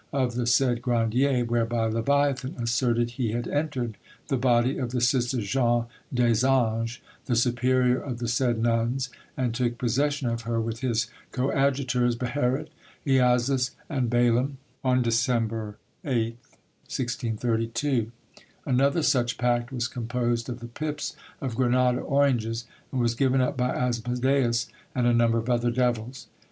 of the said Grandier, whereby Leviathan asserted he had entered the body of the sister, Jeanne des Anges, the superior of the said nuns, and took possession of her with his coadjutors Beherit, Eazas, and Balaam, on December 8th, 1632. Another such pact was composed of the pips of Grenada oranges, and was given up by Asmodeus and a number of other devils.